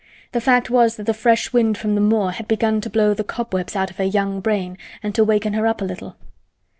The fact was that the fresh wind from the moor had begun to blow the cobwebs out of her young brain and to waken her up a little.